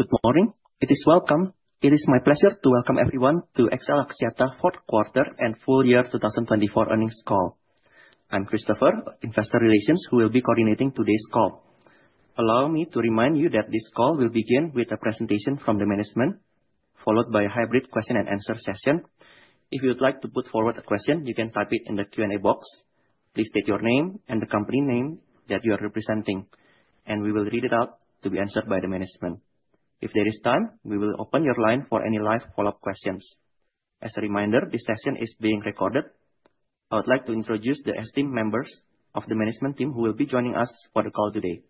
Good morning. It is welcome. It is my pleasure to Welcome Everyone to XL Axiata Q4 and Full Year 2024 Earnings Call. I'm Christopher, Investor Relations who will be coordinating today's call. Allow me to remind you that this call will begin with a presentation from the management, followed by a hybrid question-and-answer session. If you would like to put forward a question, you can type it in the Q&A box. Please state your name and the company name that you are representing, and we will read it out to be answered by the management. If there is time, we will open your line for any live follow-up questions. As a reminder, this session is being recorded. I would like to introduce the esteemed members of the management team who will be joining us for the call today: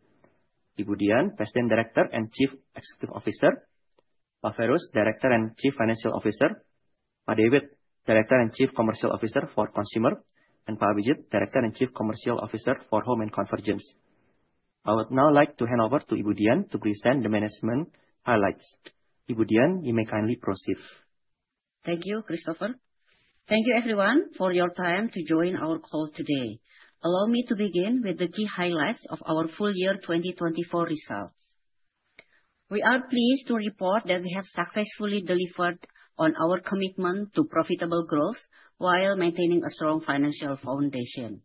Ibu Dian, President Director and Chief Executive Officer, Pak Feiruz, Director and Chief Financial Officer, Pak David, Director and Chief Commercial Officer for Consumer, and Pak Abhijit, Director and Chief Commercial Officer for Home and Convergence. I would now like to hand over to Ibu Dian to present the management highlights. Ibu Dian, you may kindly proceed. Thank you, Christopher. Thank you, everyone, for your time to join our call today. Allow me to begin with the key highlights of our full year 2024 results. We are pleased to report that we have successfully delivered on our commitment to profitable growth while maintaining a strong financial foundation.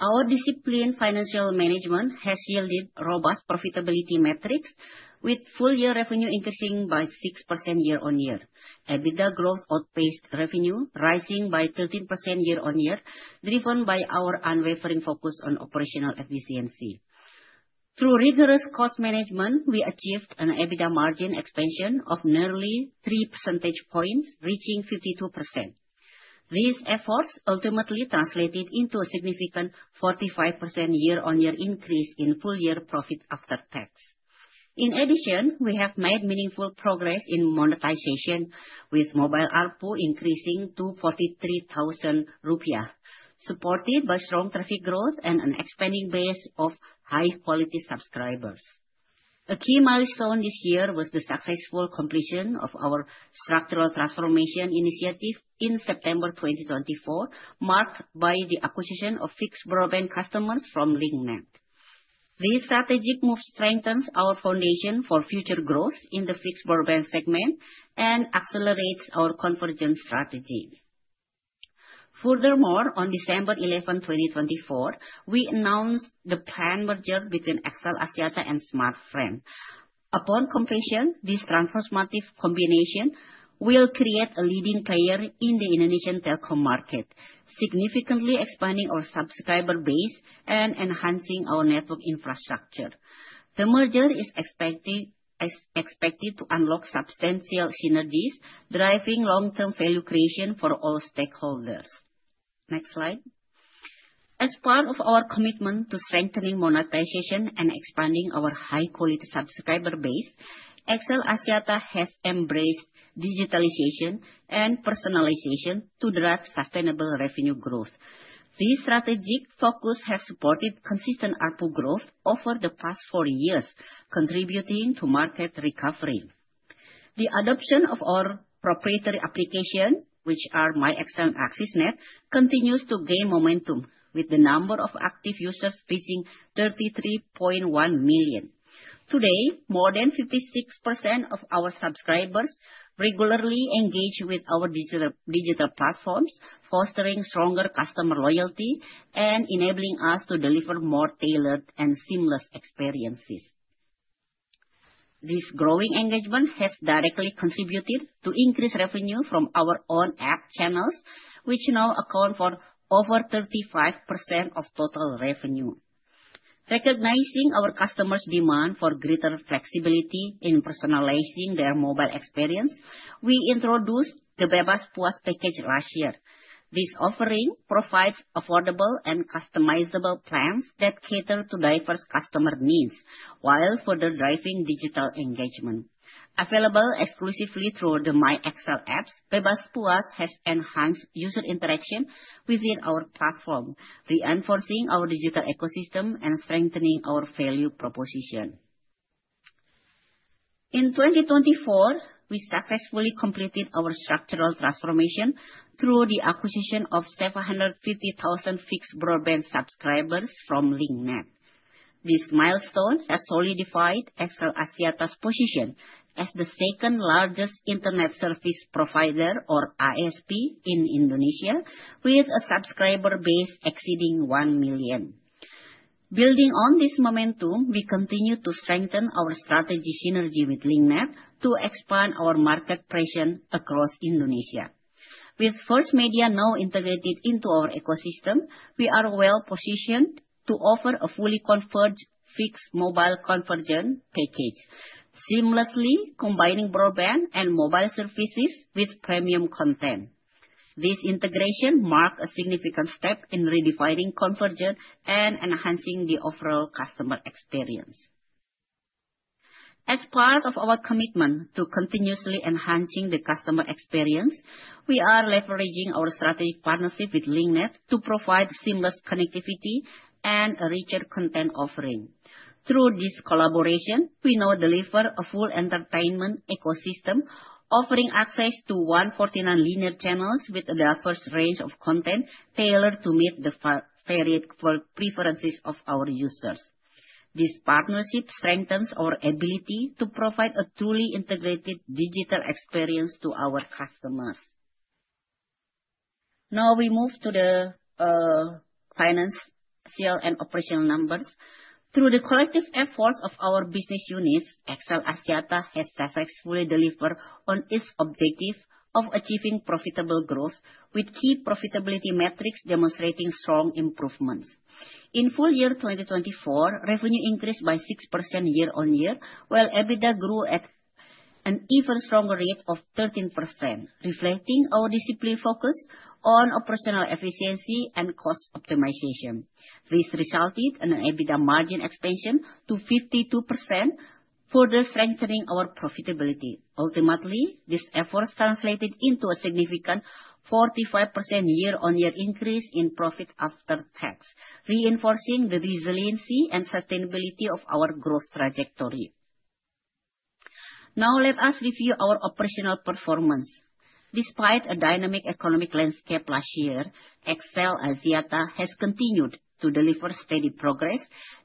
Our disciplined financial management has yielded robust profitability metrics, with full-year revenue increasing by 6% year-on-year. EBITDA growth outpaced revenue, rising by 13% year-on-year, driven by our unwavering focus on operational efficiency. Through rigorous cost management, we achieved an EBITDA margin expansion of nearly 3 percentage points, reaching 52%. These efforts ultimately translated into a significant 45% year-on-year increase in full-year profit after tax. In addition, we have made meaningful progress in monetization, with mobile ARPU increasing to 43,000 rupiah, supported by strong traffic growth and an expanding base of high-quality subscribers. A key milestone this year was the successful completion of our structural transformation initiative in September 2024, marked by the acquisition of fixed broadband customers from Link Net. This strategic move strengthens our foundation for future growth in the fixed broadband segment and accelerates our convergence strategy. Furthermore, on December 11, 2024, we announced the planned merger between XL Axiata and Smartfren. Upon completion, this transformative combination will create a leading player in the Indonesian telco market, significantly expanding our subscriber base and enhancing our network infrastructure. The merger is expected to unlock substantial synergies, driving long-term value creation for all stakeholders. Next slide. As part of our commitment to strengthening monetization and expanding our high-quality subscriber base, XL Axiata has embraced digitalization and personalization to drive sustainable revenue growth. This strategic focus has supported consistent ARPU growth over the past four years, contributing to market recovery. The adoption of our proprietary applications, which are myXL and AXISNet, continues to gain momentum, with the number of active users reaching 33.1 million. Today, more than 56% of our subscribers regularly engage with our digital platforms, fostering stronger customer loyalty and enabling us to deliver more tailored and seamless experiences. This growing engagement has directly contributed to increased revenue from our own app channels, which now account for over 35% of total revenue. Recognizing our customers' demand for greater flexibility in personalizing their mobile experience, we introduced the Bebas Puas package last year. This offering provides affordable and customizable plans that cater to diverse customer needs while further driving digital engagement. Available exclusively through the myXL apps, Bebas Puas has enhanced user interaction within our platform, reinforcing our digital ecosystem and strengthening our value proposition. In 2024, we successfully completed our structural transformation through the acquisition of 750,000 fixed broadband subscribers from Link Net. This milestone has solidified XL Axiata's position as the second-largest internet service provider, or ISP, in Indonesia, with a subscriber base exceeding one million. Building on this momentum, we continue to strengthen our strategic synergy with Link Net to expand our market presence across Indonesia. With First Media now integrated into our ecosystem, we are well-positioned to offer a fully converged fixed mobile convergence package, seamlessly combining broadband and mobile services with premium content. This integration marks a significant step in redefining convergence and enhancing the overall customer experience. As part of our commitment to continuously enhancing the customer experience, we are leveraging our strategic partnership with Link Net to provide seamless connectivity and a richer content offering. Through this collaboration, we now deliver a full entertainment ecosystem, offering access to 149 linear channels with a diverse range of content tailored to meet the varied preferences of our users. This partnership strengthens our ability to provide a truly integrated digital experience to our customers. Now we move to the financial and operational numbers. Through the collective efforts of our business units, XL Axiata has successfully delivered on its objective of achieving profitable growth, with key profitability metrics demonstrating strong improvements. In full year 2024, revenue increased by 6% year-on-year, while EBITDA grew at an even stronger rate of 13%, reflecting our disciplined focus on operational efficiency and cost optimization. This resulted in an EBITDA margin expansion to 52%, further strengthening our profitability. Ultimately, these efforts translated into a significant 45% year-on-year increase in profit after tax, reinforcing the resiliency and sustainability of our growth trajectory. Now let us review our operational performance. Despite a dynamic economic landscape last year, XL Axiata has continued to deliver steady progress,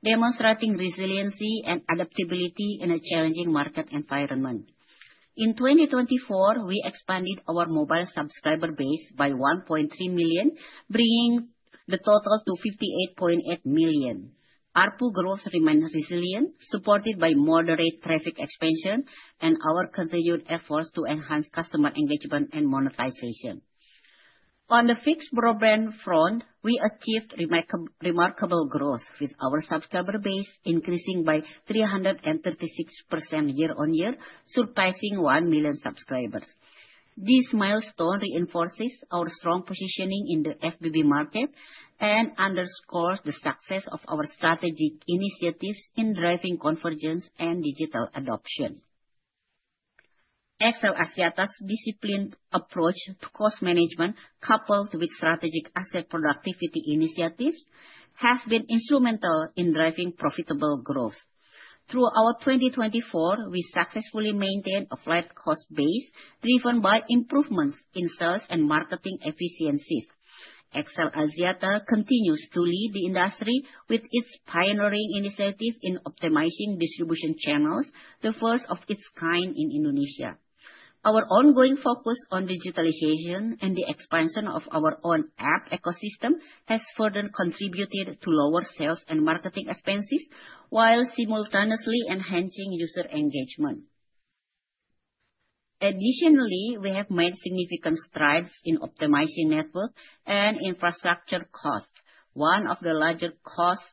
demonstrating resiliency and adaptability in a challenging market environment. In 2024, we expanded our mobile subscriber base by 1.3 million, bringing the total to 58.8 million. ARPU growth remained resilient, supported by moderate traffic expansion and our continued efforts to enhance customer engagement and monetization. On the fixed broadband front, we achieved remarkable growth, with our subscriber base increasing by 336% year-on-year, surpassing one million subscribers. This milestone reinforces our strong positioning in the FBB market and underscores the success of our strategic initiatives in driving convergence and digital adoption. XL Axiata's disciplined approach to cost management, coupled with strategic asset productivity initiatives, has been instrumental in driving profitable growth. Throughout 2024, we successfully maintained a flat cost base driven by improvements in sales and marketing efficiencies. XL Axiata continues to lead the industry with its pioneering initiative in optimizing distribution channels, the first of its kind in Indonesia. Our ongoing focus on digitalization and the expansion of our own app ecosystem has further contributed to lower sales and marketing expenses while simultaneously enhancing user engagement. Additionally, we have made significant strides in optimizing network and infrastructure costs, one of the larger cost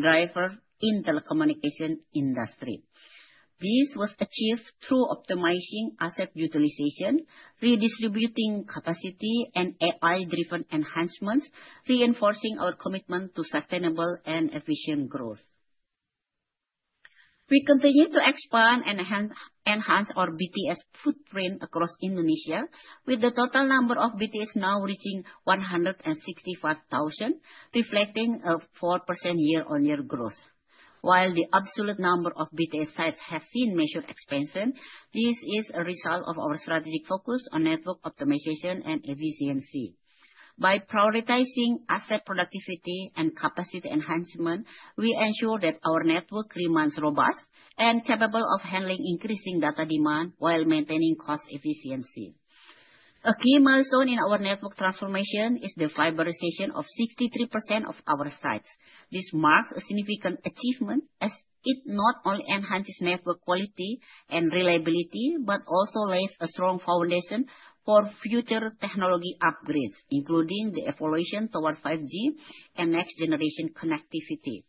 drivers in the telecommunication industry. This was achieved through optimizing asset utilization, redistributing capacity, and AI-driven enhancements, reinforcing our commitment to sustainable and efficient growth. We continue to expand and enhance our BTS footprint across Indonesia, with the total number of BTS now reaching 165,000, reflecting a 4% year-on-year growth. While the absolute number of BTS sites has seen major expansion, this is a result of our strategic focus on network optimization and efficiency. By prioritizing asset productivity and capacity enhancement, we ensure that our network remains robust and capable of handling increasing data demand while maintaining cost efficiency. A key milestone in our network transformation is the fiberization of 63% of our sites. This marks a significant achievement as it not only enhances network quality and reliability but also lays a strong foundation for future technology upgrades, including the evolution toward 5G and next-generation connectivity.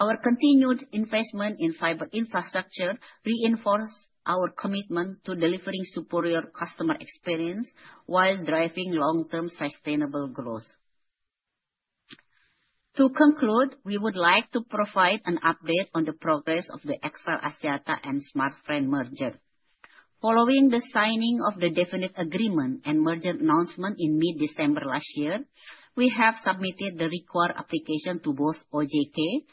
Our continued investment in fiber infrastructure reinforces our commitment to delivering superior customer experience while driving long-term sustainable growth. To conclude, we would like to provide an update on the progress of the XL Axiata and Smartfren merger. Following the signing of the definite agreement and merger announcement in mid-December last year, we have submitted the required application to both OJK,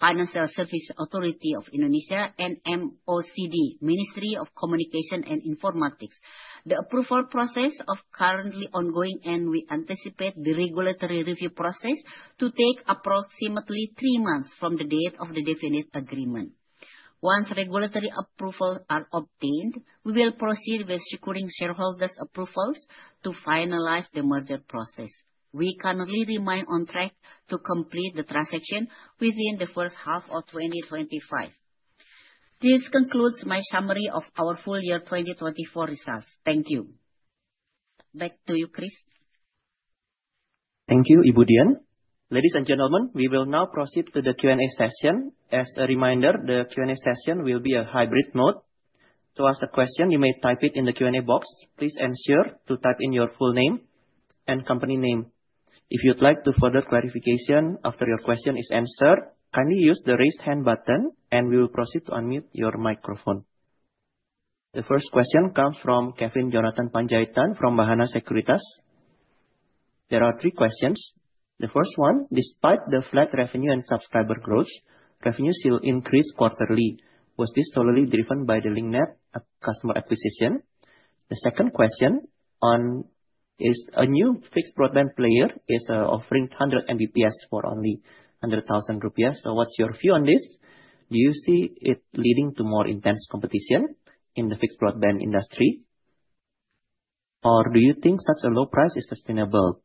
Financial Services Authority of Indonesia, and MOCI, Ministry of Communication and Informatics. The approval process is currently ongoing, and we anticipate the regulatory review process to take approximately three months from the date of the definite agreement. Once regulatory approvals are obtained, we will proceed with securing shareholders' approvals to finalize the merger process. We currently remain on track to complete the transaction within the first half of 2025. This concludes my summary of our full year 2024 results. Thank you. Back to you, Chris. Thank you, Ibu Dian. Ladies and gentlemen, we will now proceed to the Q&A session. As a reminder, the Q&A session will be a hybrid mode. To ask a question, you may type it in the Q&A box. Please ensure to type in your full name and company name. If you'd like to further clarification after your question is answered, kindly use the raised hand button, and we will proceed to unmute your microphone. The first question comes from Kevin Jonathan Panjaitan from Bahana Sekuritas. There are three questions. The first one, despite the flat revenue and subscriber growth, revenues still increase quarterly. Was this solely driven by the Link Net customer acquisition? The second question is, a new fixed broadband player is offering 100 Mbps for only 100,000 rupiah. So what's your view on this? Do you see it leading to more intense competition in the fixed broadband industry? Or do you think such a low price is sustainable?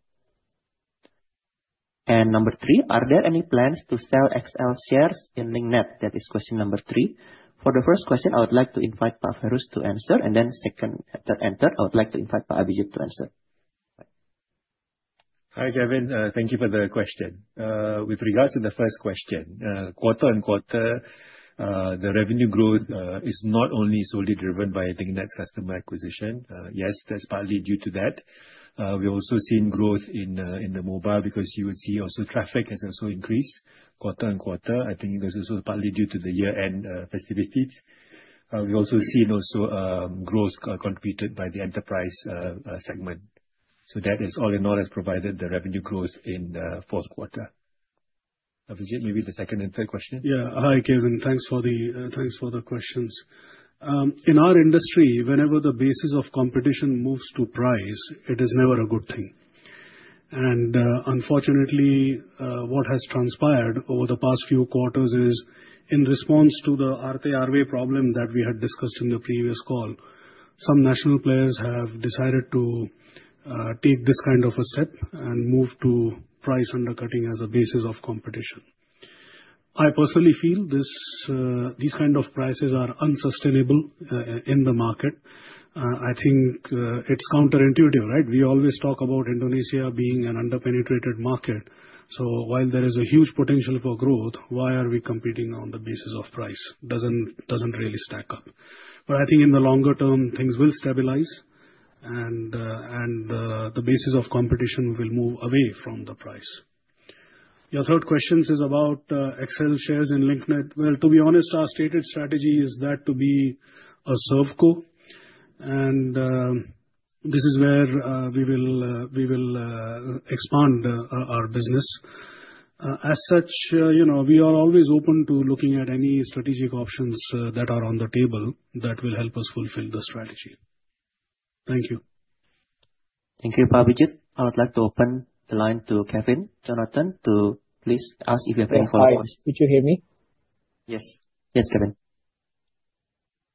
And number three, are there any plans to sell XL shares in Link Net? That is question number three. For the first question, I would like to invite Pak Feiruz to answer, and then second, third, and fourth, I would like to invite Pak Abhijit to answer. Hi Kevin, Thank you for the question. With regard to the first question, quarter-on-quarter, the revenue growth is not only solely driven by Link Net's customer acquisition. Yes, that's partly due to that. We've also seen growth in the mobile because you would see also traffic has also increased quarter-on-quarter. I think it was also partly due to the year-end festivities. We've also seen growth contributed by the enterprise segment. So that, it's all in has provided the revenue growth in the Q4. Abhijit, maybe the second and third questions. Yeah, hi Kevin, thanks for the questions. In our industry, whenever the basis of competition moves to price, it is never a good thing. And unfortunately, what has transpired over the past few quarters is in response to the ARPU erosion problem that we had discussed in the previous call, some national players have decided to take this kind of a step and move to price undercutting as a basis of competition. I personally feel these kinds of prices are unsustainable in the market. I think it's counterintuitive, right? We always talk about Indonesia being an underpenetrated market. So while there is a huge potential for growth, why are we competing on the basis of price? Doesn't really stack up. But I think in the longer term, things will stabilize and the basis of competition will move away from the price. Your third question is about XL shares in Link Net. Well, to be honest, our stated strategy is that to be a FMC Co. And this is where we will expand our business. As such, we are always open to looking at any strategic options that are on the table that will help us fulfill the strategy. Thank you. Thank you, Pak Abhijit. I would like to open the line to Kevin Jonathan to please ask if you have any follow-up questions. Hi, could you hear me? Yes. Yes, Kevin.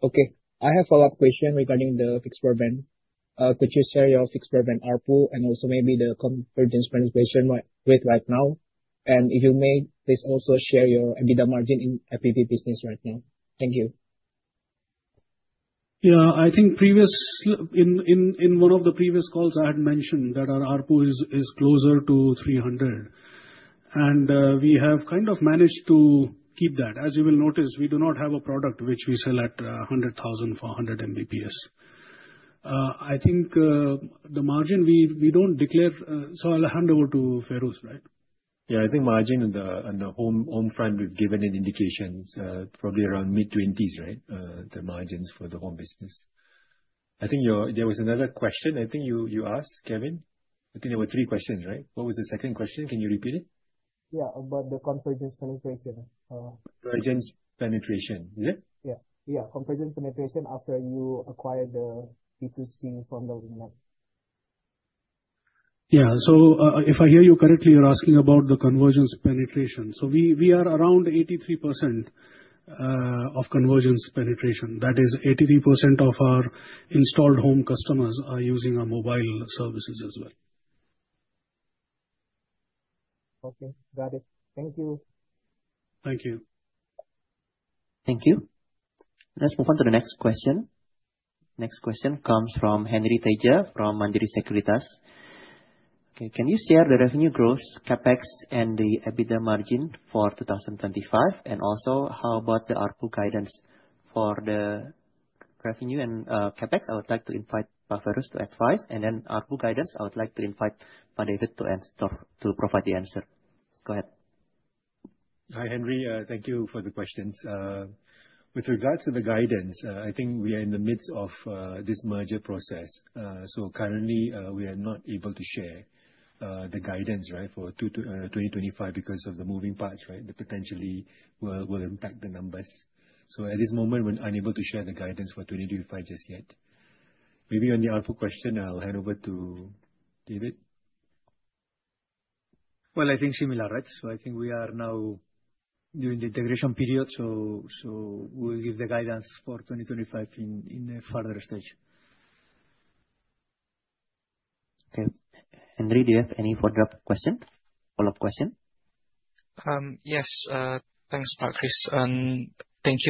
Okay, I have a follow-up question regarding the fixed broadband. Could you share your fixed broadband ARPU and also maybe the convergence participation rate right now? And if you may, please also share your EBITDA margin in the FBB business right now. Thank you. Yeah, I think previous in one of the previous calls, I had mentioned that our ARPU is closer to 300. And we have kind of managed to keep that. As you will notice, we do not have a product which we sell at 100,000 for 100 Mbps. I think the margin we don't declare. So I'll hand over to Feiruz, right? Yeah, I think margin and the home front, we've given an indication, probably around mid-20s, right? The margins for the home business. I think there was another question. I think you asked, Kevin. I think there were three questions, right? What was the second question? Can you repeat it? Yeah, about the convergence penetration. Convergence penetration, is it? Yeah, yeah, convergence penetration after you acquired the B2C from the Link Net. Yeah, so if I hear you correctly, you're asking about the convergence penetration. So we are around 83% of convergence penetration. That is 83% of our installed home customers are using our mobile services as well. Okay, got it. Thank you. Thank you. Thank you. Let's move on to the next question. Next question comes from Henry Tedja from Mandiri Sekuritas. Okay, can you share the revenue growth, CapEx, and the EBITDA margin for 2025? And also, how about the ARPU guidance for the revenue and CapEx? I would like to invite Pak Feiruz to advise. And then for ARPU guidance, I would like to invite Pak David to provide the answer. Go ahead. Hi Henry, thank you for the questions. With regards to the guidance, I think we are in the midst of this merger process. So currently, we are not able to share the guidance, right, for 2025 because of the moving parts, right? The potentially will impact the numbers. So at this moment, we're unable to share the guidance for 2025 just yet. Maybe on the ARPU question, I'll hand over to David. I think similar, right? I think we are now during the integration period. We'll give the guidance for 2025 in a further stage. Okay, Henry, do you have any follow-up question? Yes, thanks Pak Chris, and thank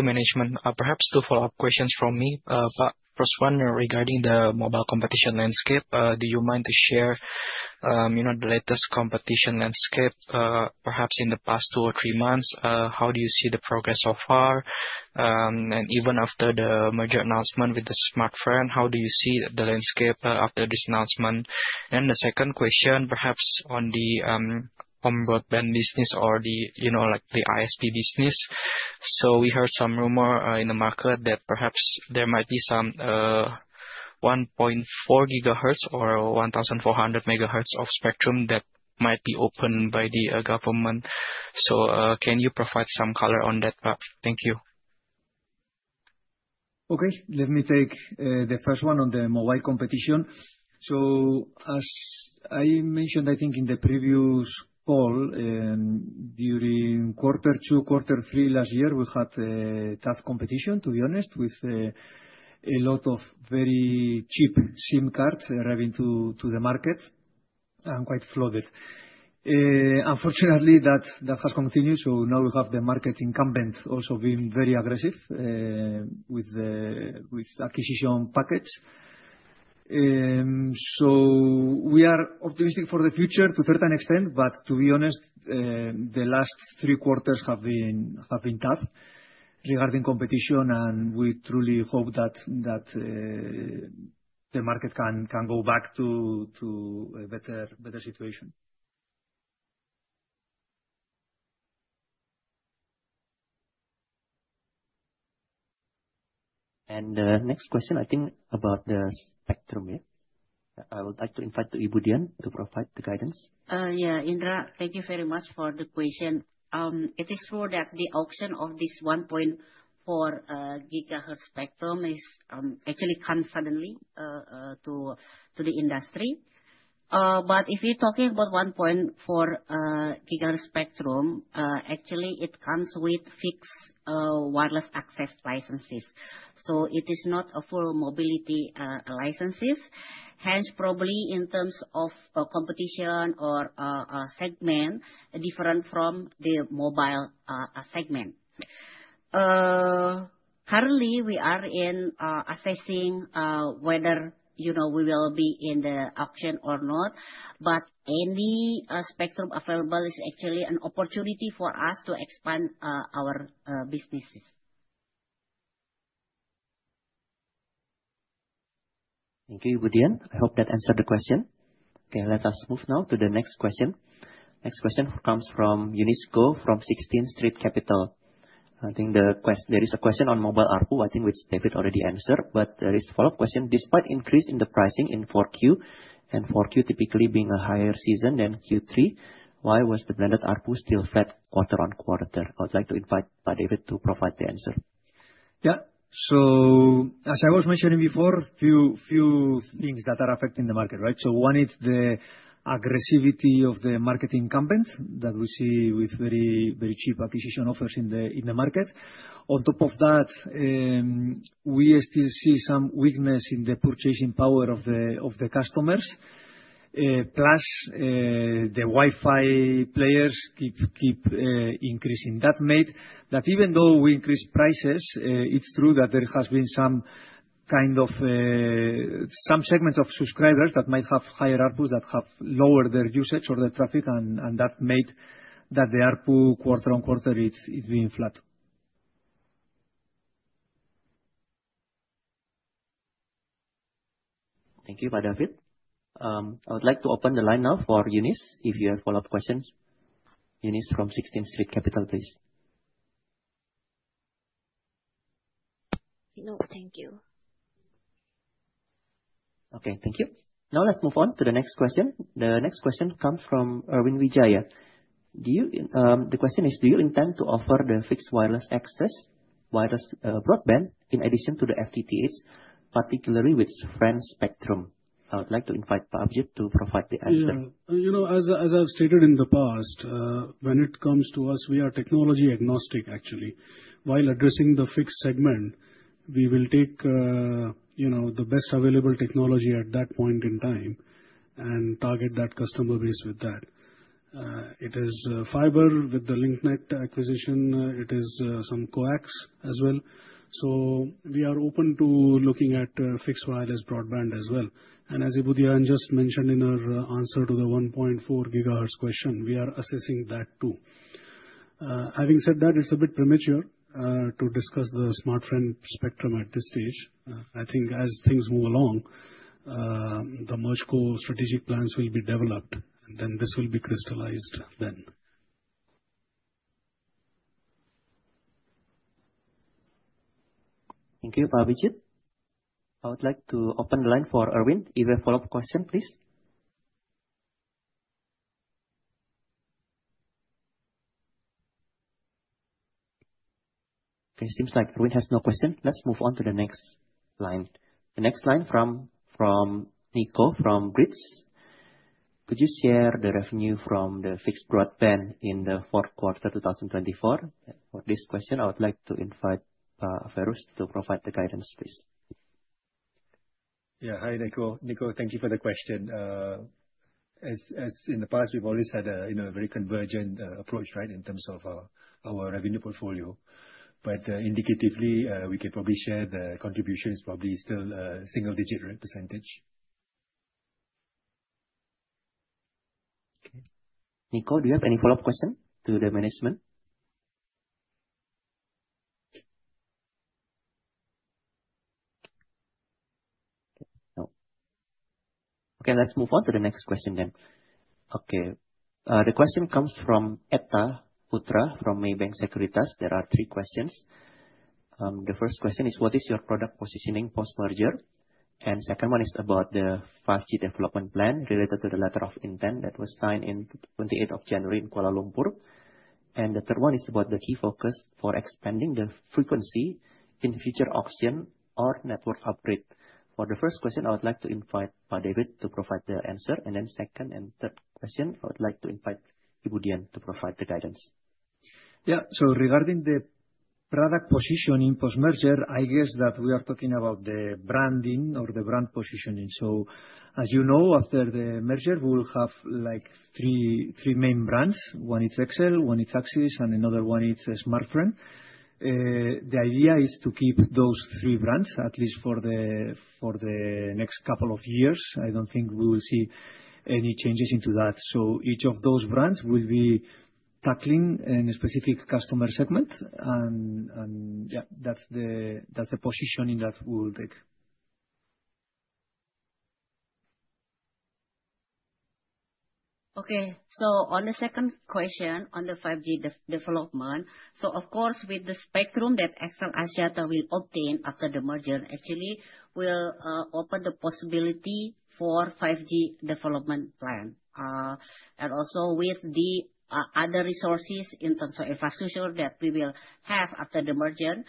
you management. Perhaps two follow-up questions from me. First one regarding the mobile competition landscape. Do you mind to share the latest competition landscape? Perhaps in the past two or three months, how do you see the progress so far? And even after the major announcement with the Smartfren, how do you see the landscape after this announcement? And the second question, perhaps on the home broadband business or the ISP business. So we heard some rumor in the market that perhaps there might be some 1.4 GHz or 1,400 MHz of spectrum that might be opened by the government. So can you provide some color on that, Pak? Thank you. Okay, let me take the first one on the mobile competition. So as I mentioned, I think in the previous call, during quarter two, quarter three last year, we had tough competition, to be honest, with a lot of very cheap SIM cards arriving to the market and quite flooded. Unfortunately, that has continued. So now we have the market incumbent also being very aggressive with acquisition packs. So we are optimistic for the future to a certain extent, but to be honest, the last three quarters have been tough regarding competition, and we truly hope that the market can go back to a better situation. The next question, I think about the spectrum, yeah? I would like to invite Ibu Dian to provide the guidance. Yeah, Indra, thank you very much for the question. It is true that the auction of this 1.4 GHz spectrum is actually comes suddenly to the industry. But if you're talking about 1.4 GHz spectrum, actually it comes with fixed wireless access licenses. So it is not a full mobility licenses. Hence probably in terms of competition or segment different from the mobile segment. Currently we are in assessing whether we will be in the option or not, but any spectrum available is actually an opportunity for us to expand our businesses. Thank you, Ibu Dian. I hope that answered the question. Okay, let us move now to the next question. The next question comes from Eunice from Sixteenth Street Capital. I think there is a question on mobile ARPU. I think David already answered, but there is a follow-up question. Despite the increase in the pricing in 4Q and 4Q typically being a higher season than Q3, why was the blended ARPU still flat quarter-on-quarter? I would like to invite David to provide the answer. Yeah, so as I was mentioning before, a few things that are affecting the market, right? So, one is the aggressivity of the market incumbent that we see with very cheap acquisition offers in the market. On top of that, we still see some weakness in the purchasing power of the customers. Plus, the Wi-Fi players keep increasing. That meant that even though we increased prices, it's true that there has been some kind of some segments of subscribers that might have higher ARPUs that have lowered their usage or their traffic, and that meant that the ARPU quarter-on-quarter is being flat. Thank you, Pak David. I would like to open the line now for Eunice if you have follow-up questions. Eunice from Sixteenth Street Capital, please. No, thank you. Okay, thank you. Now let's move on to the next question. The next question comes from Erwin Wijaya. The question is, do you intend to offer the fixed wireless access, wireless broadband in addition to the FTTH, particularly with Fren spectrum? I would like to invite Pak Abhijit to provide the answer. Yeah, as I've stated in the past, when it comes to us, we are technology agnostic, actually. While addressing the fixed segment, we will take the best available technology at that point in time and target that customer base with that. It is fiber with the Link Net acquisition. It is some coax as well. So we are open to looking at fixed wireless broadband as well. And as Ibu Dian just mentioned in her answer to the 1.4 GHz question, we are assessing that too. Having said that, it's a bit premature to discuss the Smartfren spectrum at this stage. I think as things move along, the merger's core strategic plans will be developed, and then this will be crystallized then. Thank you, Pak Abhijit. I would like to open the line for Erwin. If you have follow-up questions, please. Okay, it seems like Erwin has no question. Let's move on to the next line. The next line is from Niko from BRIDS. Could you share the revenue from the fixed broadband in the Q4 2024? For this question, I would like to invite Feiruz to provide the guidance, please. Yeah, hi Niko. Niko, thank you for the question. As in the past, we've always had a very convergent approach in terms of our revenue portfolio. But indicatively, we can probably share the contribution probably still a single-digit percentage. Thank you. Okay, Niko, do you have any follow-up question to the management? Okay, let's move on to the next question then. Okay, the question comes from Etta Putra from Maybank Sekuritas. There are three questions. The first question is, what is your product positioning post-merger? And the second one is about the 5G development plan related to the letter of intent that was signed on 28th of January in Kuala Lumpur. And the third one is about the key focus for expanding the frequency in future auction or network upgrade. For the first question, I would like to invite Pak David to provide the answer. And then second and third question, I would like to invite Ibu Dian to provide the guidance. Yeah, so regarding the product positioning post-merger, I guess that we are talking about the branding or the brand positioning. So as you know, after the merger, we will have like three main brands. One is XL, one is AXIS, and another one is Smartfren. The idea is to keep those three brands at least for the next couple of years. I don't think we will see any changes to that. So each of those brands will be tackling a specific customer segment. And yeah, that's the positioning that we will take. Okay, so on the second question on the 5G development, so of course with the spectrum that XL Axiata will obtain after the merger, actually will open the possibility for 5G development plan. And also with the other resources in terms of infrastructure that we will have after the merger,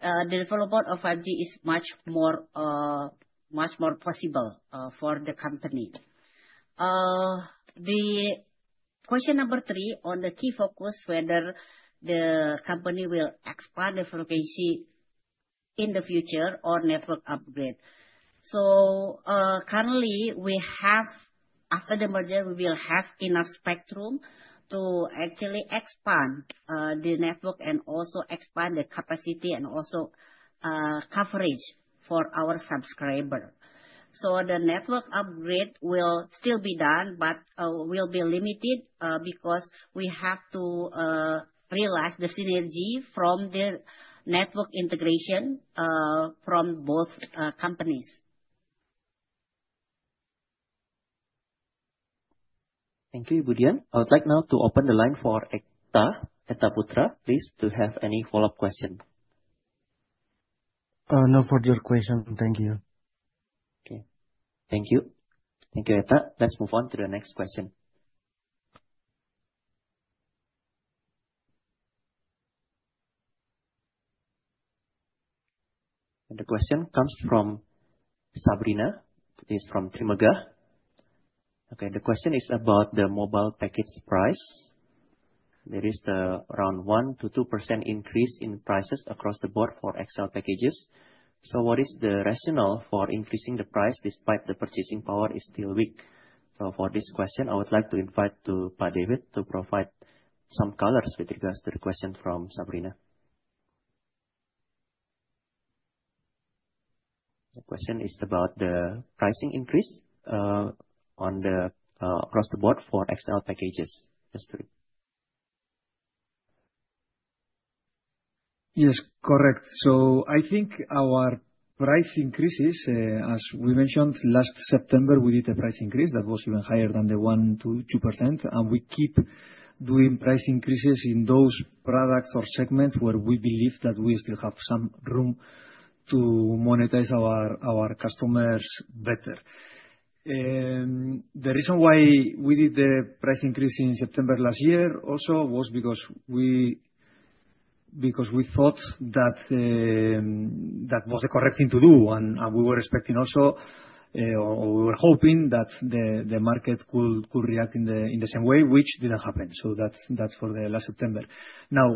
the development of 5G is much more possible for the company. The question number three on the key focus, whether the company will expand the frequency in the future or network upgrade. So currently, after the merger, we will have enough spectrum to actually expand the network and also expand the capacity and also coverage for our subscriber. So the network upgrade will still be done, but will be limited because we have to realize the synergy from the network integration from both companies. Thank you, Ibu Dian. I would like now to open the line for Etta Putra, please, to have any follow-up question. No further questions. Thank you. Okay, thank you. Thank you, Etta. Let's move on to the next question. The question comes from Sabrina, is from Trimegah. Okay, the question is about the mobile package price. There is the around 1%-2% increase in prices across the board for XL packages. So what is the rationale for increasing the price despite the purchasing power is still weak? So for this question, I would like to invite Pak David to provide some colors with regards to the question from Sabrina. The question is about the pricing increase across the board for XL packages. Yes, correct. So I think our price increases, as we mentioned last September, we did a price increase that was even higher than the 1%-2%. And we keep doing price increases in those products or segments where we believe that we still have some room to monetize our customers better. The reason why we did the price increase in September last year also was because we thought that that was the correct thing to do. And we were expecting also, or we were hoping that the market could react in the same way, which didn't happen. So that's for the last September. Now,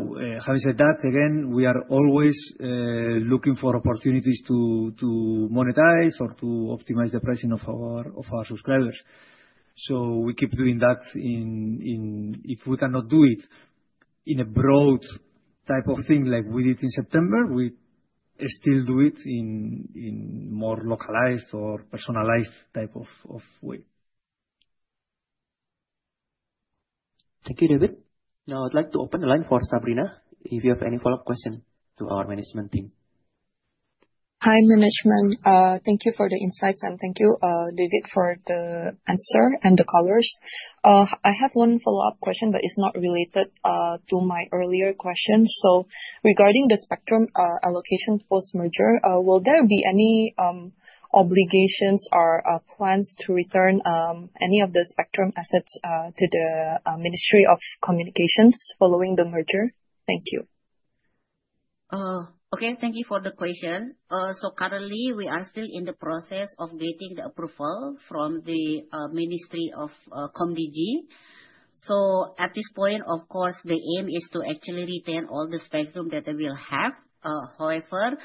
having said that, again, we are always looking for opportunities to monetize or to optimize the pricing of our subscribers. So we keep doing that. If we cannot do it in a broad type of thing like we did in September, we still do it in more localized or personalized type of way. Thank you, David. Now I'd like to open the line for Sabrina if you have any follow-up question to our management team. Hi, management. Thank you for the insights. And thank you, David, for the answer and the colors. I have one follow-up question, but it's not related to my earlier question. So regarding the spectrum allocation post-merger, will there be any obligations or plans to return any of the spectrum assets to the Ministry of Communication and Informatics following the merger? Thank you. Okay, thank you for the question. So currently, we are still in the process of getting the approval from the Ministry of Communication and Informatics, so at this point, of course, the aim is to actually retain all the spectrum that we will have. However,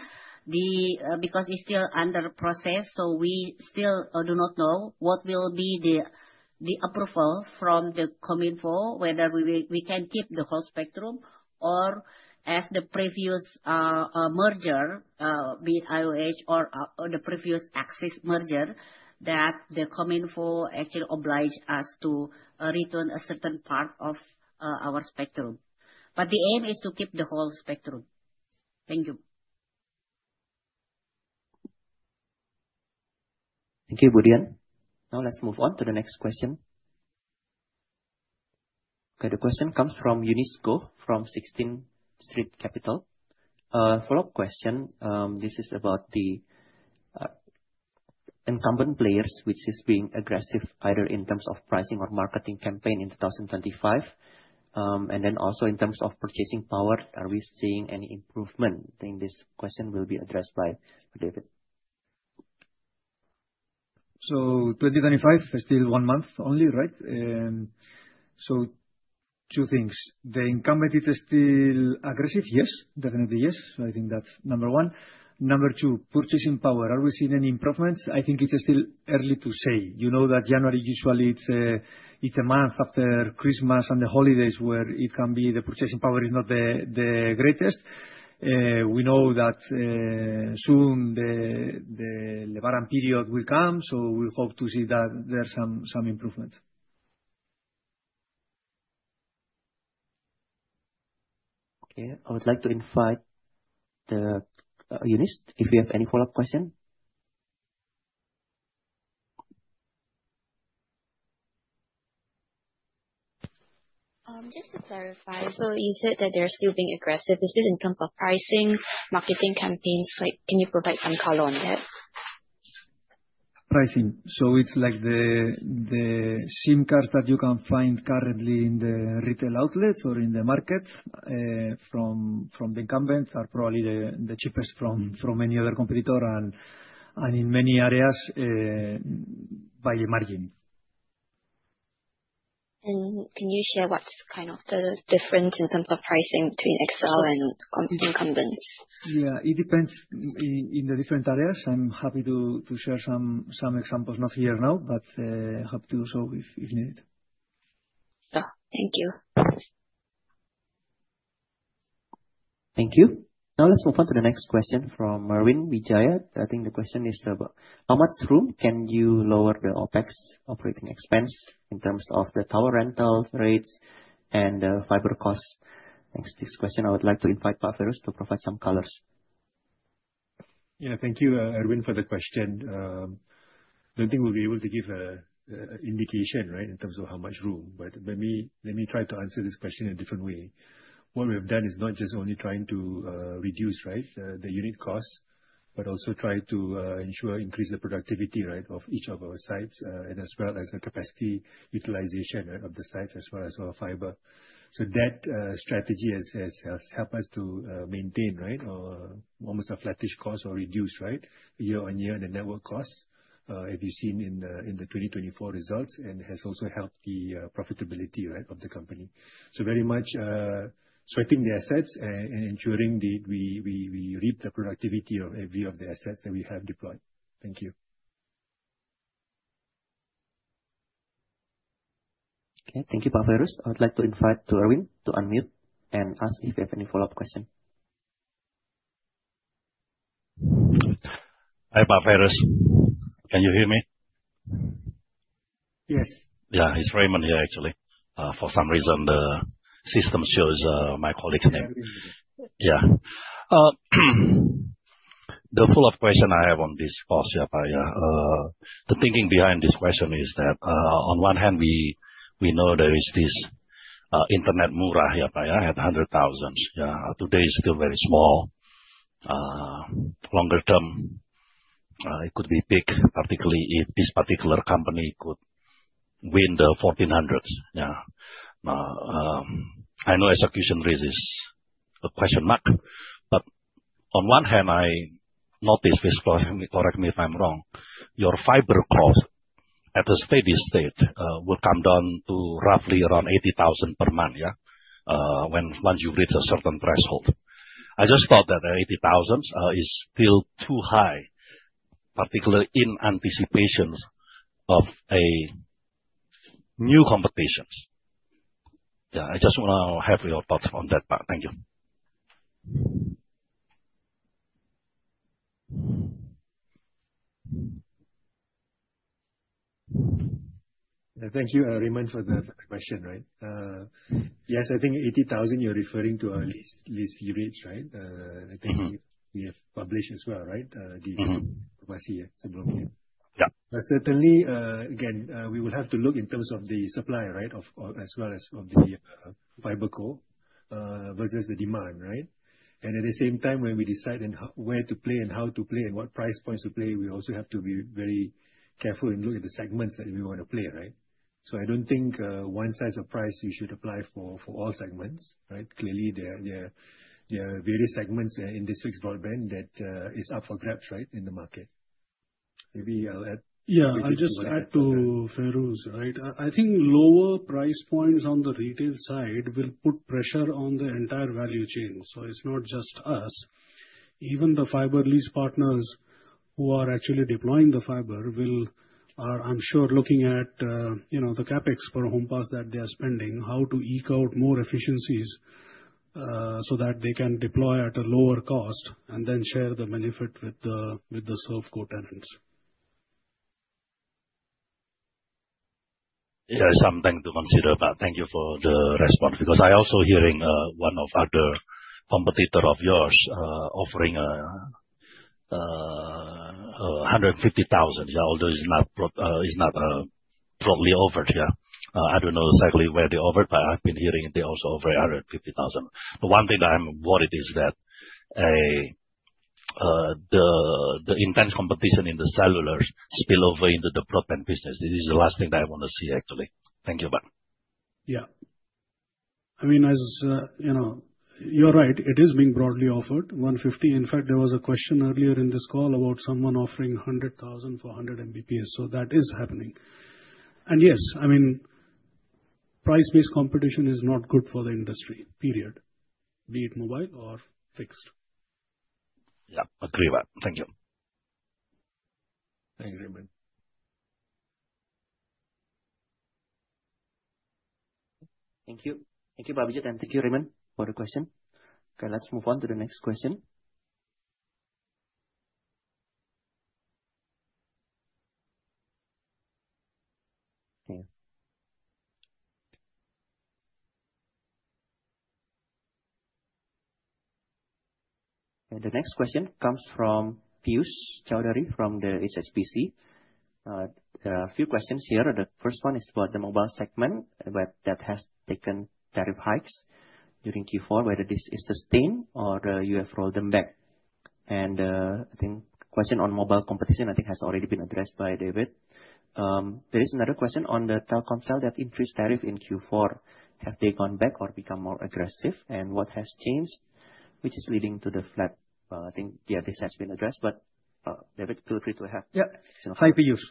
because it's still under process, so we still do not know what will be the approval from the Kominfo, whether we can keep the whole spectrum or as the previous merger, be it IOH or the previous Axis merger, that the Kominfo actually obliges us to return a certain part of our spectrum, but the aim is to keep the whole spectrum. Thank you. Thank you, Ibu Dian. Now let's move on to the next question. Okay, the question comes from Eunice from Sixteenth Street Capital. Follow-up question. This is about the incumbent players, which is being aggressive either in terms of pricing or marketing campaign 2025. And then also in terms of purchasing power, are we seeing any improvement? I think this question will be addressed by David. So 2025 is still one month only, right? So two things. The incumbent, is it still aggressive? Yes, definitely yes. So I think that's number one. Number two, purchasing power. Are we seeing any improvements? I think it is still early to say. You know that January usually it's a month after Christmas and the holidays where it can be the purchasing power is not the greatest. We know that soon the Lebaran period will come, so we hope to see that there's some improvement. Okay, I would like to invite Eunice if you have any follow-up question. Just to clarify, so you said that they're still being aggressive. Is this in terms of pricing, marketing campaigns? Can you provide some color on that? Pricing. So it's like the SIM cards that you can find currently in the retail outlets or in the market from the incumbents are probably the cheapest from any other competitor and in many areas by a margin. Can you share what's kind of the difference in terms of pricing between XL and incumbents? Yeah, it depends in the different areas. I'm happy to share some examples, not here now, but I hope to do so if needed. Thank you. Thank you. Now let's move on to the next question from Erwin Wijaya. I think the question is how much room you can lower the OpEx operating expense in terms of the tower rental rates and the fiber cost? Next question, I would like to invite Pak Feiruz to provide some colors. Yeah, thank you, Erwin, for the question. I don't think we'll be able to give an indication, right, in terms of how much room. But let me try to answer this question in a different way. What we have done is not just only trying to reduce, right, the unit cost, but also try to ensure increase the productivity, right, of each of our sites and as well as the capacity utilization of the sites as well as our fiber. So that strategy has helped us to maintain, right, almost a flattish cost or reduce, right, year-on-year in the network cost, as you've seen in the 2024 results, and has also helped the profitability, right, of the company. So very much sweating the assets and ensuring that we reap the productivity of every of the assets that we have deployed. Thank you. Okay, thank you, Pak Feiruz. I would like to invite Erwin to unmute and ask if you have any follow-up question. Hi, Pak Feiruz. Can you hear me? Yes. Yeah, it's Raymond here, actually. For some reason, the system shows my colleague's name. Yeah. The follow-up question I have on this cost, yeah, the thinking behind this question is that on one hand, we know there is this internet murah at 100,000. Yeah. Today is still very small. Longer term, it could be big, particularly if this particular company could win the 1,400. Yeah. I know execution raises a question mark. But on one hand, I noticed, please correct me if I'm wrong, your fiber cost at a steady state will come down to roughly around 80,000 per month, yeah, once you reach a certain threshold. I just thought that 80,000 is still too high, particularly in anticipation of new competitions. Yeah, I just want to have your thoughts on that part. Thank you. Thank you, Raymond, for the question, right? Yes, I think 80,000, you're referring to our lease rates, right? I think we have published as well, right? Yeah. Certainly, again, we will have to look in terms of the supply, right, as well as of the fiber core versus the demand, right? And at the same time, when we decide where to play and how to play and what price points to play, we also have to be very careful and look at the segments that we want to play, right? So I don't think one size of price you should apply for all segments, right? Clearly, there are various segments in this fixed broadband that are up for grabs, right, in the market. Maybe I'll add. Yeah, I'll just add to Feiruz, right? I think lower price points on the retail side will put pressure on the entire value chain. So it's not just us. Even the fiber lease partners who are actually deploying the fiber will, I'm sure, looking at the CapEx for Home Pass that they are spending, how to eke out more efficiencies so that they can deploy at a lower cost and then share the benefit with the service core tenants. Yeah, something to consider, but thank you for the response because I'm also hearing one of other competitors of yours offering 150,000, although it's not broadly offered. Yeah, I don't know exactly where they offered, but I've been hearing they also offer 150,000. But one thing that I'm worried is that the intense competition in the cellular spillover into the broadband business. This is the last thing that I want to see, actually. Thank you, but. Yeah. I mean, as you're right, it is being broadly offered 150. In fact, there was a question earlier in this call about someone offering 100,000 for 100 Mbps. So that is happening. And yes, I mean, price-based competition is not good for the industry, period, be it mobile or fixed. Yeah, agree, but thank you. Thank you, Raymond. Thank you. Thank you, Pak Wijaya, and thank you, Raymond, for the question. Okay, let's move on to the next question. Okay. The next question comes from Piyush Choudhary from HSBC. There are a few questions here. The first one is about the mobile segment that has taken tariff hikes during Q4, whether this is sustained or you have rolled them back. And I think the question on mobile competition, I think, has already been addressed by David. There is another question on the Telkomsel that increased tariff in Q4. Have they gone back or become more aggressive? And what has changed, which is leading to the flat? I think, yeah, this has been addressed, but David, feel free to have. Yeah, hi, Piyush.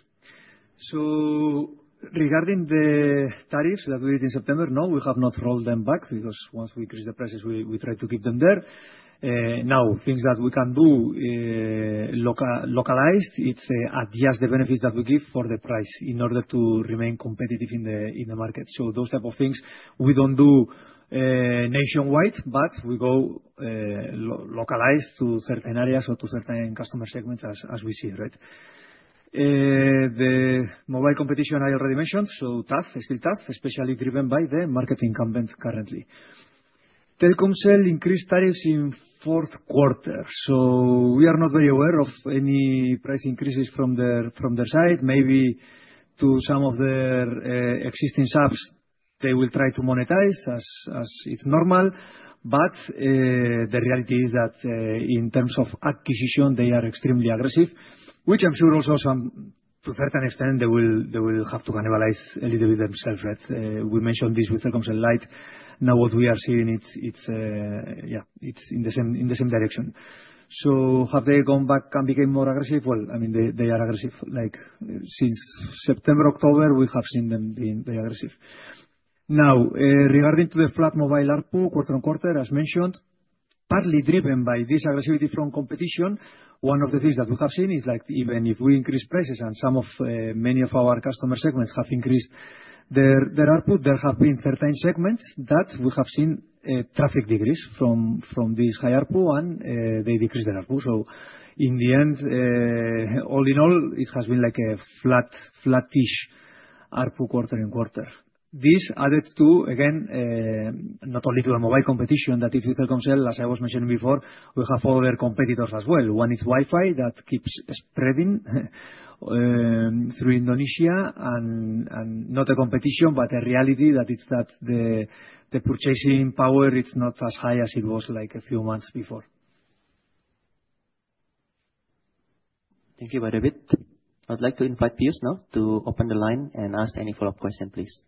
So regarding the tariffs that we did in September, no, we have not rolled them back because once we increase the prices, we try to keep them there. Now, things that we can do localized, it's adjust the benefits that we give for the price in order to remain competitive in the market. So those type of things, we don't do nationwide, but we go localized to certain areas or to certain customer segments as we see, right? The mobile competition I already mentioned, so tough is still tough, especially driven by the market incumbents currently. Telkomsel increased tariffs in Q4. So we are not very aware of any price increases from their side. Maybe to some of their existing subs, they will try to monetize as it's normal. But the reality is that in terms of acquisition, they are extremely aggressive, which I'm sure also to a certain extent, they will have to cannibalize a little bit themselves, right? We mentioned this with Telkomsel Lite. Now what we are seeing, yeah, it's in the same direction. So have they gone back and became more aggressive? Well, I mean, they are aggressive. Since September, October, we have seen them being very aggressive. Now, regarding to the flat mobile output quarter-on-quarter, as mentioned, partly driven by this aggressivity from competition, one of the things that we have seen is like even if we increase prices and many of our customer segments have increased their output, there have been certain segments that we have seen traffic decrease from this high output and they decrease their output. So in the end, all in all, it has been like a flatish output quarter-on-quarter. This added to, again, not only to the mobile competition, that if you Telkomsel, as I was mentioning before, we have other competitors as well. One is Wi-Fi that keeps spreading through Indonesia and not a competition, but a reality that it's that the purchasing power, it's not as high as it was like a few months before. Thank you, David. I'd like to invite Piyush now to open the line and ask any follow-up question, please.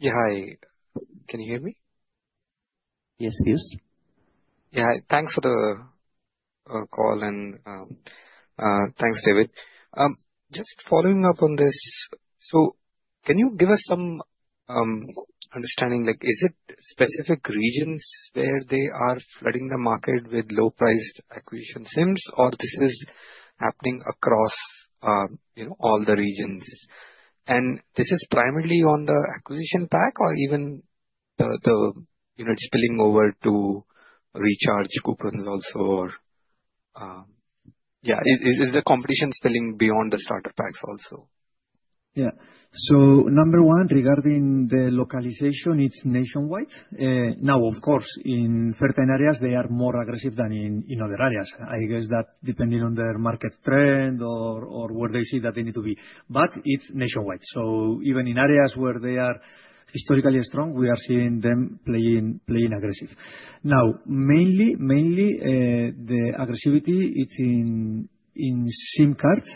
Yeah, hi. Can you hear me? Yes, Piyush. Yeah, thanks for the call and thanks David. Just following up on this, so can you give us some understanding? Is it specific regions where they are flooding the market with low-priced acquisition SIMs, or this is happening across all the regions? And this is primarily on the acquisition pack or even spilling over to recharge coupons also? Yeah, is the competition spilling beyond the starter packs also? Yeah. So, number one, regarding the localization, it's nationwide. Now, of course, in certain areas, they are more aggressive than in other areas. I guess that depending on their market trend or where they see that they need to be. But it's nationwide. So even in areas where they are historically strong, we are seeing them playing aggressive. Now, mainly, the aggressivity, it's in SIM cards.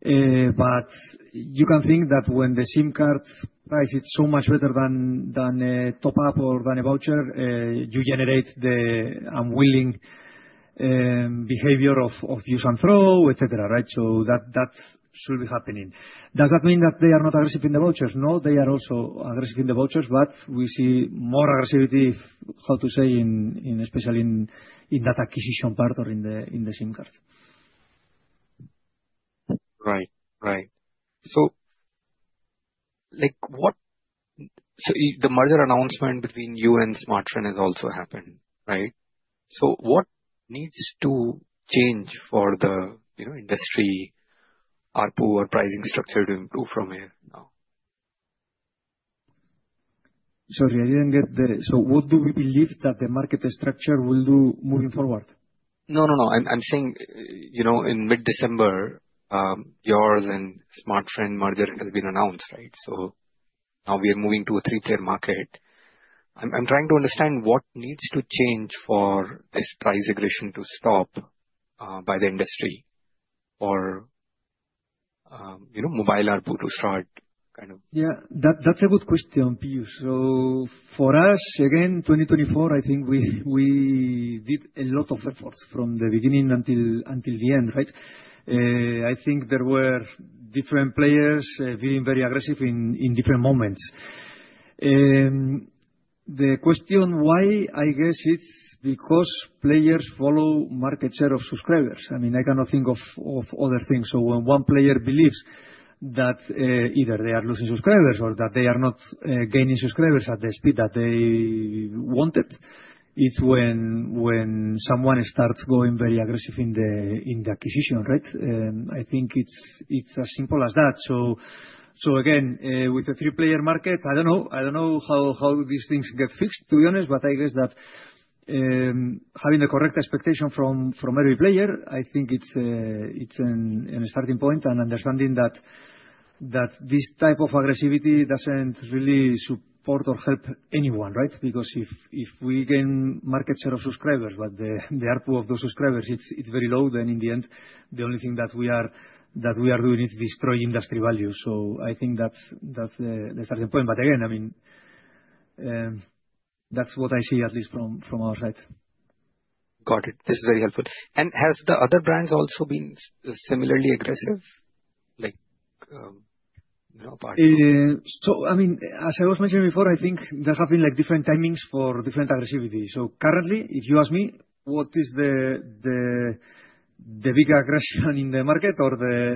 But you can think that when the SIM card price is so much better than a top-up or than a voucher, you generate the unwilling behavior of use and throw, etc., right? So that should be happening. Does that mean that they are not aggressive in the vouchers? No, they are also aggressive in the vouchers, but we see more aggressivity, how to say, especially in that acquisition part or in the SIM cards. Right, right. So the merger announcement between you and Smartfren has also happened, right? So what needs to change for the industry output or pricing structure to improve from here now? Sorry, I didn't get the, so what do we believe that the market structure will do moving forward? No, no, no. I'm saying in mid-December, yours and Smartfren merger has been announced, right? So now we are moving to a three-tier market. I'm trying to understand what needs to change for this price aggression to stop by the industry or mobile output to start kind of. Yeah, that's a good question, Piyush. So for us, again, 2024, I think we did a lot of efforts from the beginning until the end, right? I think there were different players being very aggressive in different moments. The question why, I guess it's because players follow market share of subscribers. I mean, I cannot think of other things. So when one player believes that either they are losing subscribers or that they are not gaining subscribers at the speed that they wanted, it's when someone starts going very aggressive in the acquisition, right? I think it's as simple as that. So again, with a three-player market, I don't know how these things get fixed, to be honest, but I guess that having the correct expectation from every player, I think it's a starting point and understanding that this type of aggressivity doesn't really support or help anyone, right? Because if we gain market share of subscribers, but the output of those subscribers, it's very low, then in the end, the only thing that we are doing is destroying industry value. So I think that's the starting point. But again, I mean, that's what I see at least from our side. Got it. This is very helpful. And have the other brands also been similarly aggressive? So I mean, as I was mentioning before, I think there have been different timings for different aggressivity. So currently, if you ask me what is the bigger aggression in the market or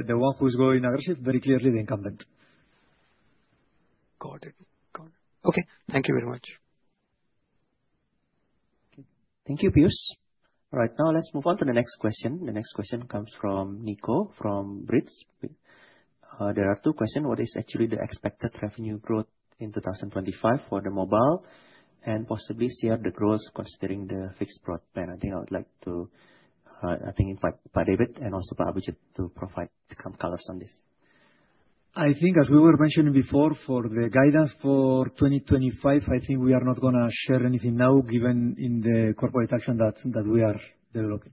the one who is going aggressive, very clearly the incumbent. Got it. Okay. Thank you very much. Thank you, Piyush. All right, now let's move on to the next question. The next question comes from Niko from BRIDS. There are two questions. What is actually the expected revenue growth in 2025 for the mobile and possibly share the growth considering the fixed broadband? I think I would like to, I think, invite Pak David and also Pak Abhijit to provide some colors on this. I think, as we were mentioning before, for the guidance for 2025, I think we are not going to share anything now given the corporate action that we are developing.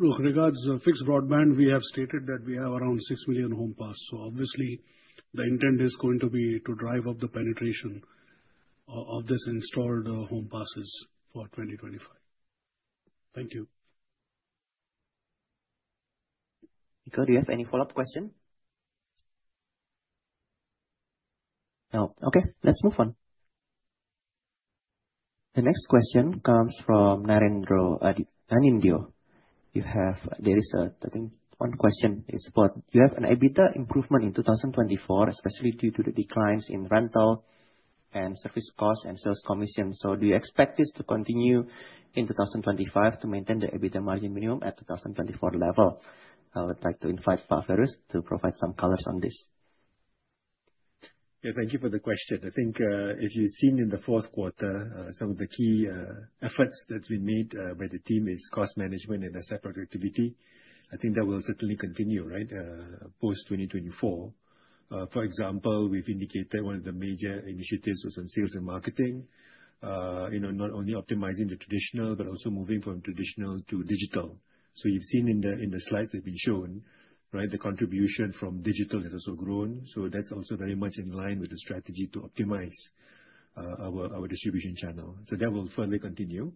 Look, regarding fixed broadband, we have stated that we have around 6 million home pass. So obviously, the intent is going to be to drive up the penetration of these installed home passes for 2025. Thank you. Niko, do you have any follow-up question? No. Okay, let's move on. The next question comes from Narendra Anindya. There is, I think, one question. You have an EBITDA improvement in 2024, especially due to the declines in rental and service costs and sales commission. So do you expect this to continue in 2025 to maintain the EBITDA margin minimum at 2024 level? I would like to invite Pak Feiruz to provide some colors on this. Yeah, thank you for the question. I think if you've seen in the Q4, some of the key efforts that's been made by the team is cost management and a separate activity. I think that will certainly continue, right, post-2024. For example, we've indicated one of the major initiatives was on sales and marketing, not only optimizing the traditional, but also moving from traditional to digital. So you've seen in the slides that have been shown, right, the contribution from digital has also grown. So that's also very much in line with the strategy to optimize our distribution channel. So that will further continue.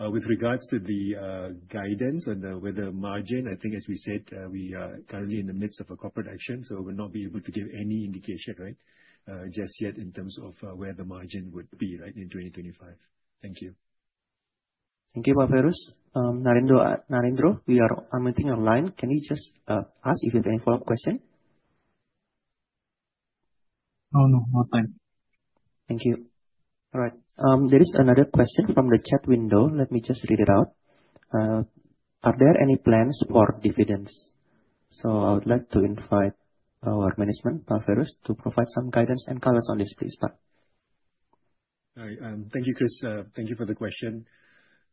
With regards to the guidance on the EBITDA margin, I think, as we said, we are currently in the midst of a corporate action. So we will not be able to give any indication, right, just yet in terms of where the margin would be, right, in 2025. Thank you. Thank you, Pak Feiruz. Narendra, we are omitting your line. Can you just ask if you have any follow-up question? No, no, no time. Thank you. All right. There is another question from the chat window. Let me just read it out. Are there any plans for dividends? So I would like to invite our management, Pak Feiruz, to provide some guidance and colors on this, please, Pak. Thank you, Chris. Thank you for the question.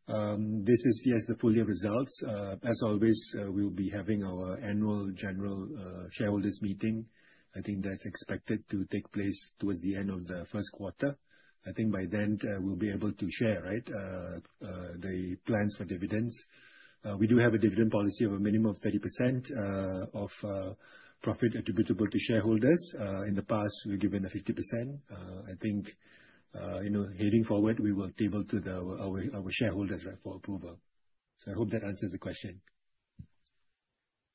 This is, yes, the full-year results. As always, we'll be having our Annual General Shareholders Meeting. I think that's expected to take place towards the end of the Q1. I think by then, we'll be able to share, right, the plans for dividends. We do have a dividend policy of a minimum of 30% of profit attributable to shareholders. In the past, we've given a 50%. I think heading forward, we will table to our shareholders, right, for approval. So I hope that answers the question.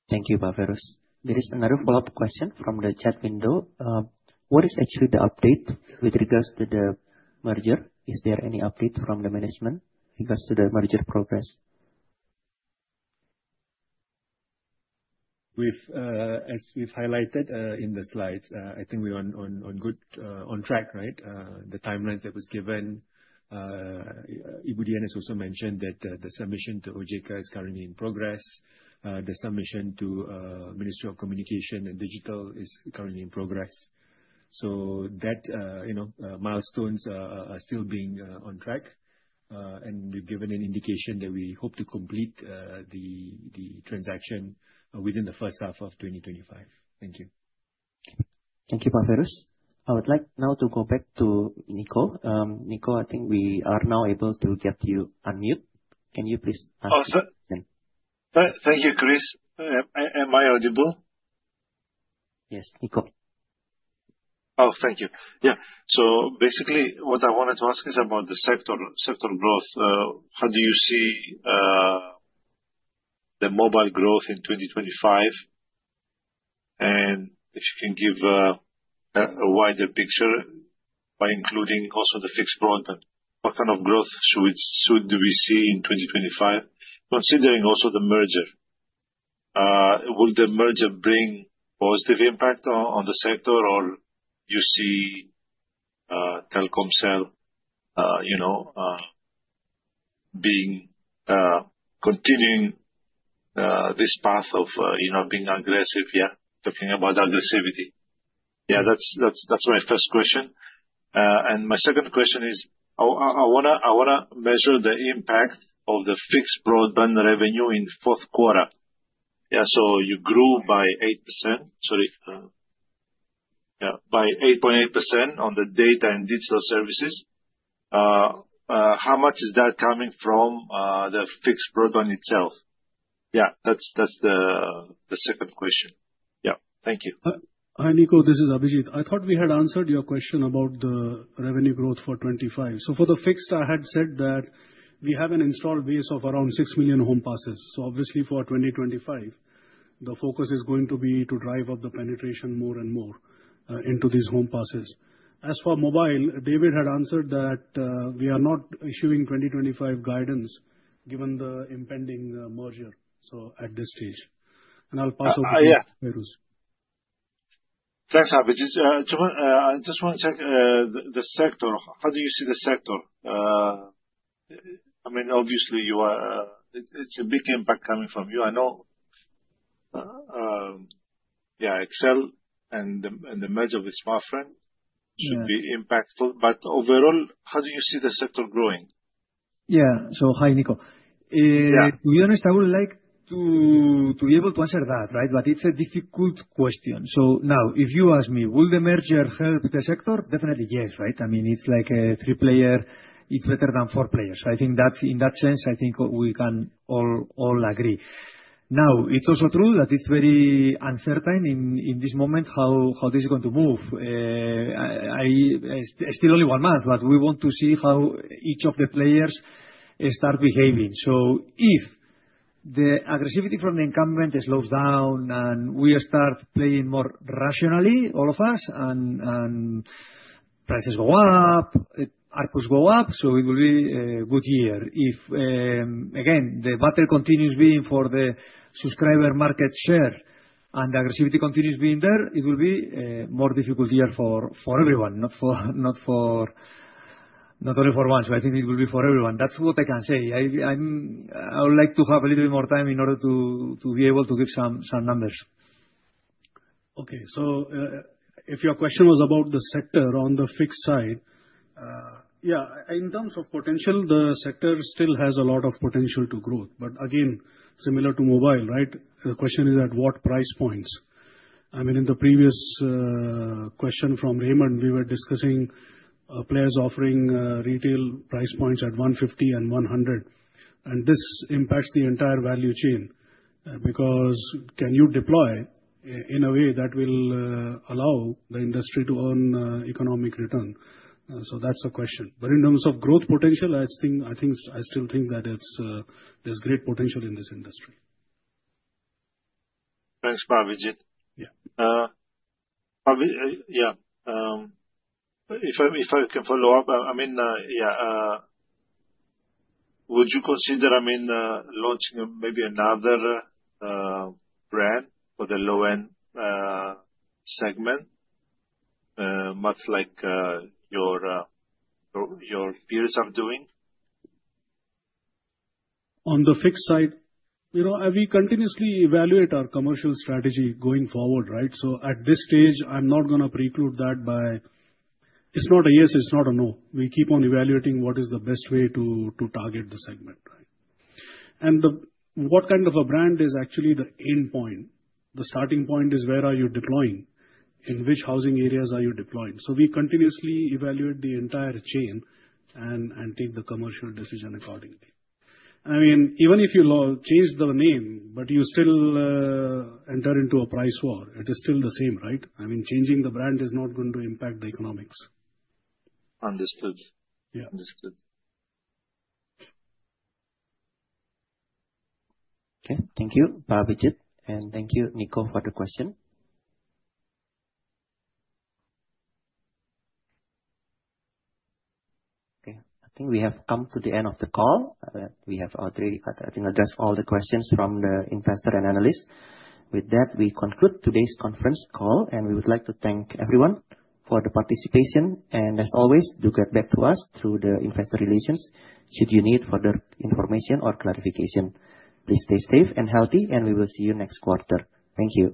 Thank you, Pak Feiruz. There is another follow-up question from the chat window. What is actually the update with regards to the merger? Is there any update from the management regards to the merger progress? As we've highlighted in the slides, I think we are on track, right? The timelines that were given, Ibu Dian has also mentioned that the submission to OJK is currently in progress. The submission to the Ministry of Communication and Informatics is currently in progress. So that milestones are still being on track. And we've given an indication that we hope to complete the transaction within the first half of 2025. Thank you. Thank you, Pak Feiruz. I would like now to go back to Niko. Niko, I think we are now able to get you unmuted. Can you please answer the question? Thank you, Chris. Am I audible? Yes, Niko. Oh, thank you. Yeah. So basically, what I wanted to ask is about the sector growth. How do you see the mobile growth in 2025? And if you can give a wider picture by including also the fixed broadband, what kind of growth should we see in 2025? Considering also the merger, will the merger bring positive impact on the sector, or do you see Telkomsel, you know, being continuing this path of being aggressive, yeah, talking about aggressivity? Yeah, that's my first question. And my second question is, I want to measure the impact of the fixed broadband revenue in Q4. Yeah, so you grew by 8%, sorry, yeah, by 8.8% on the data and digital services. How much is that coming from the fixed broadband itself? Yeah, thank you. Hi, Niko. This is Abhijit. I thought we had answered your question about the revenue growth for 2025. So for the fixed, I had said that we have an installed base of around six million home passes. So obviously, for 2025, the focus is going to be to drive up the penetration more and more into these home passes. As for mobile, David had answered that we are not issuing 2025 guidance given the impending merger at this stage. And I'll pass over to you, Feiruz. Thanks, Abhijit. I just want to check the sector. How do you see the sector? I mean, obviously, it's a big impact coming from you. I know, yeah, XL and the merger with Smartfren should be impactful. But overall, how do you see the sector growing? Yeah. So hi, Niko. To be honest, I would like to be able to answer that, right? But it's a difficult question. So now, if you ask me, will the merger help the sector? Definitely, yes, right? I mean, it's like a three-player; it's better than four players. So I think in that sense, I think we can all agree. Now, it's also true that it's very uncertain in this moment how this is going to move. It's still only one month, but we want to see how each of the players starts behaving. So if the aggressivity from the incumbent slows down and we've start playing more rationally, all of us, and prices go up, ARPUs go up, so it will be a good year. If, again, the battle continues being for the subscriber market share and the aggressivity continues being there, it will be a more difficult year for everyone, not only for one. So I think it will be for everyone. That's what I can say. I would like to have a little bit more time in order to be able to give some numbers. Okay. So if your question was about the sector on the fixed side, yeah, in terms of potential, the sector still has a lot of potential to growth. But again, similar to mobile, right? The question is at what price points? I mean, in the previous question from Raymond, we were discussing players offering retail price points at 150 and 100. And this impacts the entire value chain because can you deploy in a way that will allow the industry to earn economic return? So that's a question. But in terms of growth potential, I still think that there's great potential in this industry. Thanks, Pak Abhijit. Yeah. If I can follow up, I mean, yeah, would you consider, I mean, launching maybe another brand for the low-end segment, much like your peers are doing? On the fixed side, we continuously evaluate our commercial strategy going forward, right? So at this stage, I'm not going to preclude that. It's not a yes, it's not a no. We keep on evaluating what is the best way to target the segment, right? And what kind of a brand is actually the endpoint? The starting point is, where are you deploying? In which housing areas are you deploying? So we continuously evaluate the entire chain and take the commercial decision accordingly. I mean, even if you change the name, but you still enter into a price war, it is still the same, right? I mean, changing the brand is not going to impact the economics. Understood. Understood. Okay. Thank you, Pak Abhijit. And thank you, Niko, for the question. Okay. I think we have come to the end of the call. We have already, I think, addressed all the questions from the investor and analyst. With that, we conclude today's conference call, and we would like to thank everyone for the participation. And as always, do get back to us through the investor relations should you need further information or clarification. Please stay safe and healthy, and we will see you next quarter. Thank you.